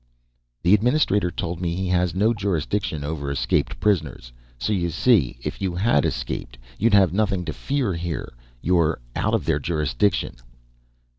"The administrator told me he has no jurisdiction over escaped prisoners, so you see, if you had escaped, you'd have nothing to fear here. You're out of their jurisdiction."